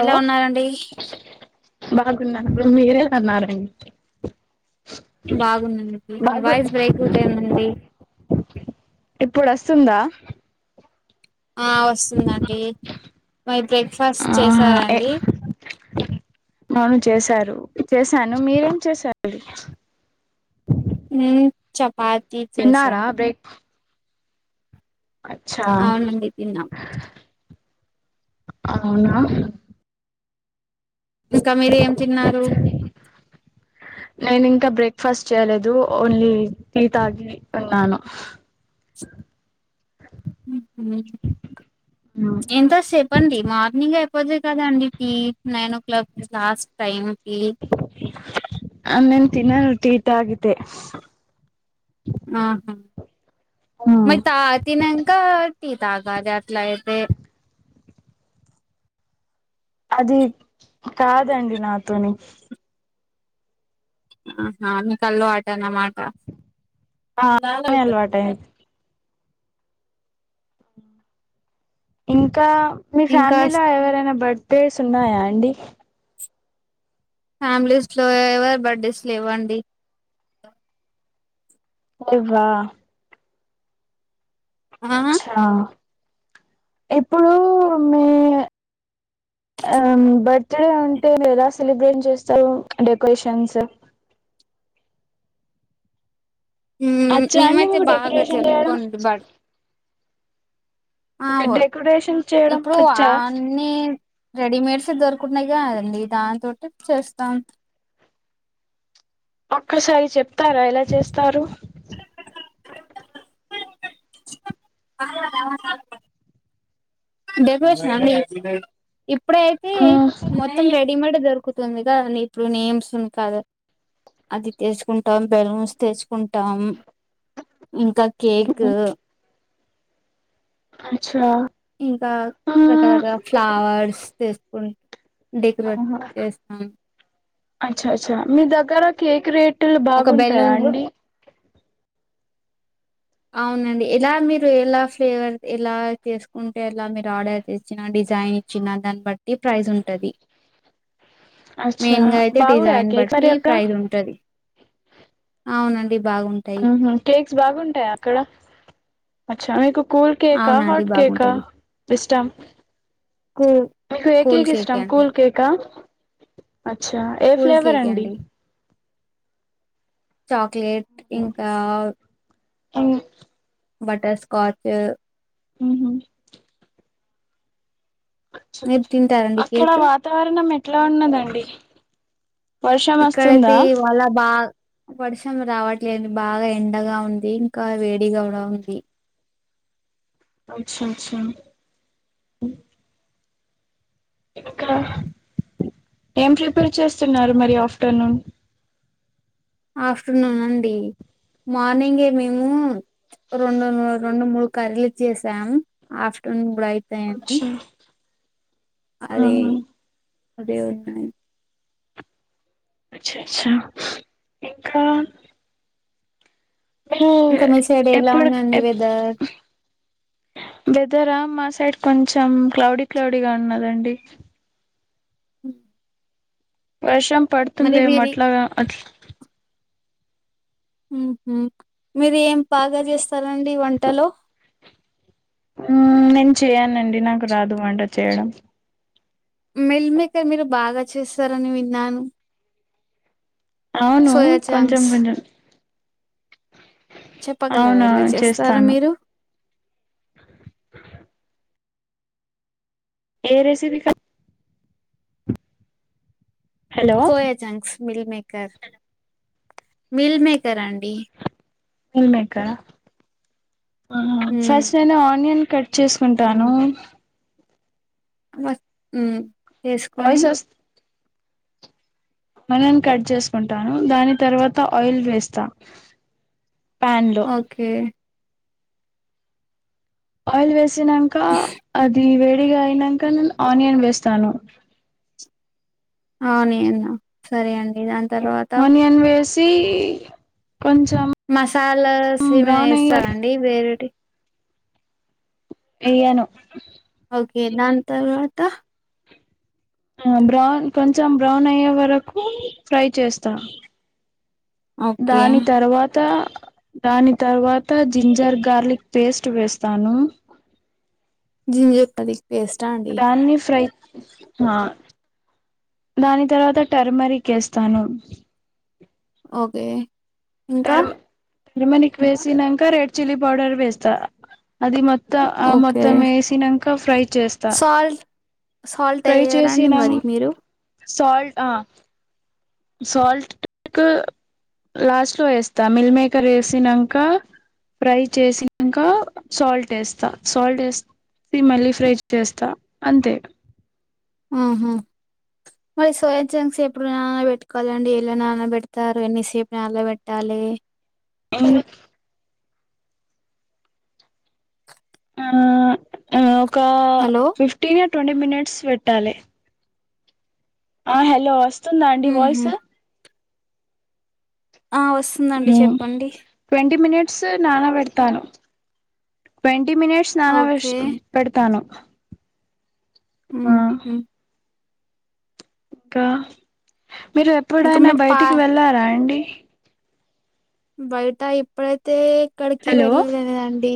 ఎలా ఉన్నారండి బాగున్నారు మీరెలా ఉన్నారండి బాగున్నానండి వాయిస్ బ్రేక్ అవుతాయిందండి ఇప్పుడు వస్తుందా వస్తుందండి మరి బ్రేక్ఫాస్ట్ చేసారాండి ఆ చె చేశాను మీరేం చేశారు చపాతి చేసా తిన్నారా బ్రేక్ అచ్చా అవునండి తిన్నాం అవునా ఇంకా మీరు ఏం తిన్నారు నేను ఇంకా బ్రేక్ఫాస్ట్ చేయలేదు ఓన్లీ టీ తాగి ఉన్నాను ఎంత సేపండి మార్నింగ్ చెపోతే కదాండి tea nine o'clock last time tea ఆ నేన్ తినను టీ తాగితే ఆహా మరి తాతినంక తాగాలి అట్లయితే అది కాదండి నాతోని ఆహ అంత అలవాటు అన ఆ అట్లని అలవాట అయింది ఇంకా మీ ఇంకా ఫ్యామిలీలో ఎవరైనా బర్త్డేస్ ఉన్నాయా అండి ఫ్యామిలీస్ లో ఎవరు బర్డేస్లు ఇవ్వండి లెవ్వా ఆహా అచ్చా ఇప్పుడు మీ అ బర్త్ డే అంటే ఎదా సెలబ్రేట్ చేస్తారు డెకరేషన్స్ అచ్చా అండి మేమైతే మీకు బాగా డెకరేషన్ చేయడం జరుపుకోండి బ అవదు డెకరేషన్ చేయడం ఇప్పుడు వచ్చా అన్నీ రెడీమేడ్స్ దొరుకుతున్నాయి కాదండి దాని తోనే చేస్తాం ఒక్కసారి చెప్తారా ఎలా చేస్తారు అ డెకరేషన్ అండి ఇప్పుడైతే ఆ మొత్తం రేట్ డిమాండ్ దొరుకుతుందిగా ఇప్పుడు నేమ్స్ ఉన్ కాదు అది తెచ్చుకుంటాం బెలూన్స్ తెచ్చుకుంటాం ఇంకా కేకు అచ్చ ఇంకా రకరకాల ఫ్లావర్స్ తీసుకుం డెకరేట్ ఆహా చేస్తాం అచ్చా అచ్చా మీ దగ్గర కేక్ రేటులు ఒక బాగుంటాయా బెలూన్లు అండి అవునండి ఎలా మీరు ఎలా ఫ్లేవర్ ఎలా చేసుకుంటే ఎలా మీరు ఆర్డర్ ఇచ్చిన అండి డిజైన్ ఇచ్చిన దాన్ని బట్టి ప్రైజ్ ఉంటది [inaudible] అచ్చా మెయిన్ గా అయితే బాగుంటాయా డిజైన్ కేక్స్ మరి బట్టి అక్కడ ప్రైజ్ ఉంటది అవునండి బాగుంటాయి కేక్స్ బాగుంటాయా అక్కడ అచ్చ మీకు కూల్ కేక అవునండి హాట్ కేక బాగుంటది ఇష్టం కూ మీకు ఏ కూల్ కేక్ ఇష్టం అండి కూల్ కేక అచ్చ ఏ కూల్ ఫ్లేవర్ కేక్ అండి చాక్లేెట్ ఇంకా ఆ బటర్ స్కాచ్ ఉహు మీరు తింటారండి అక్కడ కేక్ వాతావరణం ఎట్లా ఉన్నదండి వర్షం ఇక్కడైతే వస్తుందా ఇవాళ బా వర్షం రావట్లేదు బాగా ఎండగా ఉంది ఇంకా వేడిగా కూడా ఉంది అచ్చ అచ్చ ఇంకా ఏం ప్రిపేర్ చేస్తున్నారు మరి ఆఫ్టర్నూన్ ఆఫ్టర్నూన్ అండి మార్నింగే మేము రెండు రెండు మూడు కర్రీలు చేసాం ఆఫ్టర్నూన్ కూడా అయితాయని అచ్చా అది ఆహా అదే [unintelligible] అచ్చ అచ్చ ఇంకా ఇంకా మీ సైడ్ ఎలా ఎప్పుడు ఉందండి ఎప్ వెదర్ వేదరా మా సై సైడ్ కొంచెం క్లౌడీ క్లౌడీగా ఉన్నదండి హు వర్షం పడుతుందే అట్లాగా అట్లా ఉహు మీరు ఏం బాగా చేస్తారండి వంటలో నేను చేయనండి నాకు రాదు వంట చేయడం మెల్ మేకర్ మీరు బాగా చేస్తారని విన్నాను అవును సోయా కొంచం చాంక్స్ కొంచం చెప్పగలరా ఎలా అవునవును చేస్తారో చేస్తాను మీరు ఏ recipe hello soya chunks meal maker meal maker అండి మిల్మేకర ఉమ్ ఫస్ట్ నేను ఆనియన్ కట్ చేసుకుంటాను ఉ చేసుకొని వాయిస్ మనం కట్ చేసుకుంటాను దాని తర్వాత ఆయిల్ వేస్తా ప్యాన్ లో ఓకే ఆయిల్ వేసినంక అది వే అయినంక నేను ఆనియన్ వేస్తాను ఆనియన్ ఆ సరే అండి దా ఆనియన్ వేసి కొంచెం మసాలాస్ ఏమనా బ్రౌన్ అయ్యే వేస్తారండి వేరేటి ఎయ్యను ఓకే దాని తర్వాత ఆ బ్రౌన్ కొంచెం బ్రౌన్ అయ్యే వరకు ఫ్రై చేస్తా ఓకే దాని తర్వాత దాని తర్వాత జింజర్ గార్లిక్ పేస్ట్ వేస్తాను జింజర్ గార్లిక్ పేస్ట్ ఆ అండి దాన్ని ఫ్రై ఆ దాని తర్వాత టర్మరిక్ వేస్తాను ఓకే ఇంకా టర్మ టర్మరిక్ వేసినంక రెడ్ చిల్లీ పౌడర్ వేస్తా అది మొత్తం ఆ ఓకే మొత్తం వేసినంక ఫ్రై చేస్తా సాల్ట్ సాల్ట్ ఫ్రై ఎయ్యారా అండి చేసినం మరి మీరు సాల్ట్ ఆ సాల్ట్ లాస్ట్ లో వేస్తా మిల్ మీకర్ వేసినంక ఫ్రై చేసినంక సాల్ట్ ఏస్తా సాల్ట్ ఏస్ మళ్ళీ ఫ్రై చేస్తా అంతే హ్మ్మ్ మరి సోయా జంక్స్ ఎప్పుడు నాన్న పెట్టుకోవాలండి ఎలా నాన్నపెడతారు ఎన్నిసేపు నాన్లా పెట్టాలే. ఎం ఆ ఆ ఒక హలో ఫిఫ్టీను ట్వంటీ మినిట్స్ పెట్టాలే ఆ హలో వస్తుందా అండి ఉహు వాయిస్ ఆ వస్తుందండి హ్మ్మ్ చెప్పండి ట్వంటీ మినిట్స్ ట్స్ నాన పెడతాను ట్వంటీ మినిట్స్ నాన ఓకే పెడతాను ఆ హ్మ్మ్ ఇంకా మీరు ఇంకా ఎప్పుడైనా మీరు పా బయటికి వెళ్ళారా అండి బయట ఇప్పుడైతే ఎక్కడికి హలో వెళ్ళలేదండి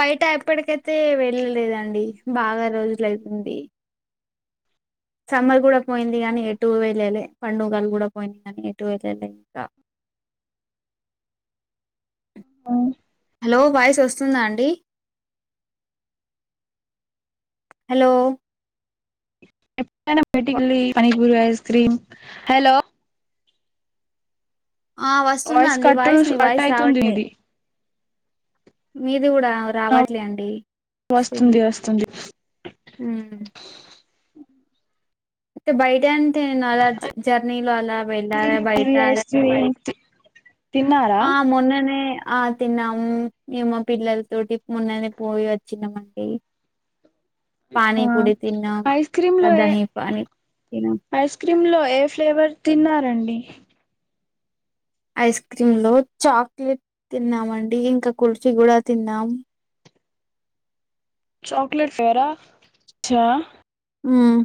బయట ఎప్పటికైతే వెళ్ళలేదండి బాగా రోజులయితుంది సమ్మర్ కూడా పోయింది గానీ ఎటు వేలేలే పండుగలు కూడా పోయింది గానీ ఎటు వేలలే ఇంకా. ఆ హలో వాయిస్ వస్తుందా అండి హలో [unintelligible] పానిపూరు ఐస్ క్రీమ్ హలో ఆ వస్తుంద అండి కట్ వాయిస్ నీ కట్ వాయిస్ అయితుంది రావట్లే ఇది మీ మీది కూడా ఆ రావట్లే అండి వస్తుంది వస్తుంది హ్మ్మ్ అంటే బయట అంటే నేను అలా జర్నీలో అలా మళ్ళీ వెళ్ళారా బయట పూరి ఐస్ క్రీమ్ తిన్నారా ఆ మొన్ననే ఆ తిన్నాము మేము మా పిల్లల తోటి మొన్ననే పోయి వచ్చినమండి ఆ పానీపూరి తిన్నాం ఐస్ క్రీమ్ లో ఏ [unintelligible] పానీ తిన్నాం ఐస్ క్రీమ్ లో ఏ ఫ్లేవర్ తిన్నారండి ఐస్ క్రీమ్ లో చాక్లెట్ తిన్నాం అండి ఇంకా కుల్ఫీ కూడా తిన్నాం చాక్లేట్ ఫెరా చా హ్మ్మ్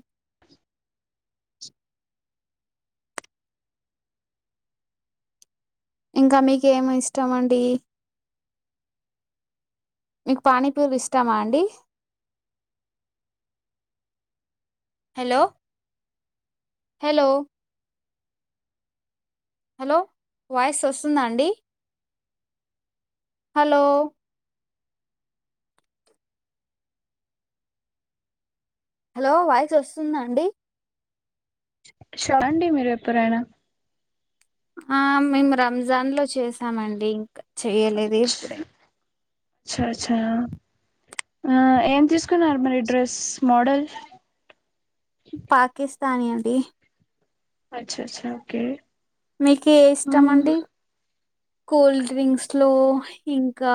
ఇంకా మీకు ఏమి ఇష్టం అండి మీకు పానీపూరీ ఇష్టమా అండి హలో హలో హలో వాయిస్ వస్తుందా అండి హలో హలో వాయిసు వస్తుందా అండి ాడి మేర్ ఎప్పుడైనా ఆ మేము రంజాన్ లో చేసామండి ఇంకా చెయ్యలేది చ్చా చ్చా ఆ ఏం తీసుకున్నారు మరి డ్రెస్ మోడల్ పాకిస్తాని అండి అచ్చ అచ్చ ఓకే మీకీ ఏ ఇష్టం మ్మ్ అండి కోల్డ్ డ్రింక్స్ లు ఇంకా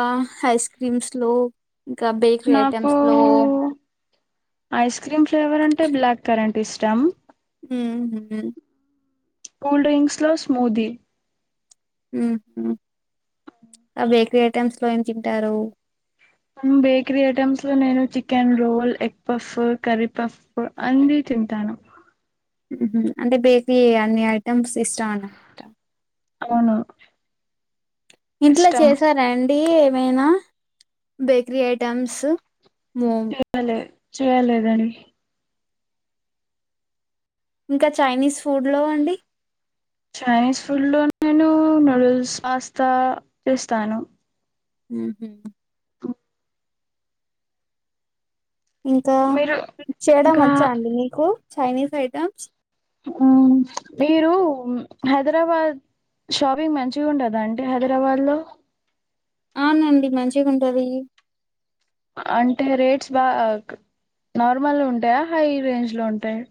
ఐస్ క్రీమ్స్ లు ఇంకా బేకరీ నాకు ఐటెమ్స్ లో ఐస్ క్రీమ్ ఫ్లేవర్ అంటే బ్లాక్ కరెంట్ ఇష్టం మ్హ్ హ్ కూల్ డ్రింక్స్ లో స్మూదీ మ్హ్ బేకరీ ఐటెమ్స్ లో ఏం తింటారు బేకరీ ఐటమ్స్ లో నేను chicken roll egg puff curry puff అన్ని తింటాను మ్హ్ అంటే బేకరీ అన్ని ఐటమ్స్ ఇస్టం అనమాట అవునా ఇంట్లో చేసారాండి ఏమైనా బేకరీ ఐటమ్స్ మోమ్ చేయాలె చేయాలేదని ఇంకా చైనీస్ ఫూడ్ లో అండి చైనీస్ ఫుడ్ లో నేను నూడిల్స్ పాస్తా చేస్తాను మ్ అ ఇంకా మీరు చేయడం ఇంకా ఒచ్చా అండి మీకు చైనీస్ ఐటమ్స్ ఉం మీరు హైదరాబాద్ షాపింగ్ మంచిగుంటదా అంటే హైదరాబాద్ లో ఆనండి మంచిగుంటది అంటే రేట్స్ బా క్ నార్మల్ ఉంటయా హై రేంజ్ లో ఉంటయా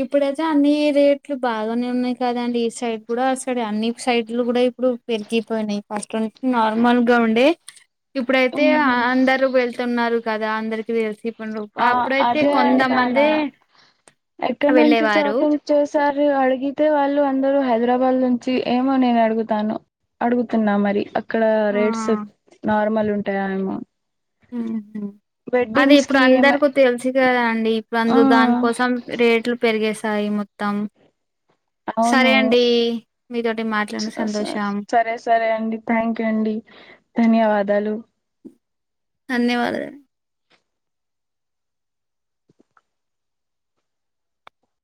ఇప్పుడైతే అన్ని రేట్లు బాగానే ఉన్నాయి కదండి ఈ సైడ్ కూడా ఆ సైడ్ అన్ని సైడ్లు గూడా ఇప్పుడు పెరిగిపోయినయి ఫస్ట్ నార్మల్ గ ఉండే ఇప్పుడైతే మ్హూ. అందరూ వెళ్తున్నారు గదా అందరికి తెలిసి రు ఆ అప్పుడైతే అదే కొందమంది అంటానా ఎక్కడ నుంచి చాపింగ్ చేసారు అడిగితే వాళ్ళు అందరు హై హైదరాబాద్ నుంచి ఏమో నేను అడుగుతాను అడుగుతున్నా మరి అక్కడ ఆ రేట్స్ నార్మల్ ఉంటాయా ఏమో మ్ అదే వెడ్డింగ్స్ ఇప్పుడు కి ఏమ అందరిక తెలిసు కదా అండి ఇప్పుడు ఆ అందు దాని కోసం రేట్లు పెరిగేస్ తాయి మొత్తం అవును సరే అండి మీతోటి మాట్లాడిన సంతోషం సరే సరే అండి థ్యాంక్ యూ అండి ధన్యవాదాలు ధన్యవాద